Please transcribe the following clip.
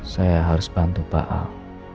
saya harus bantu pak ahok